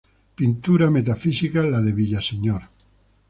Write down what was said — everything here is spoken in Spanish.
Pintura metafísica la de Villaseñor.